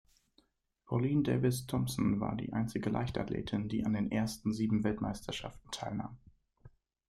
Pauline Davis-Thompson war die einzige Leichtathletin, die an den ersten sieben Weltmeisterschaften teilnahm.